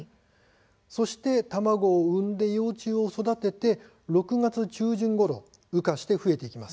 そして卵を産んで幼虫を育てて６月中旬ごろ羽化して増えていきます。